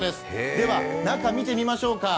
では、中を見てみましょうか。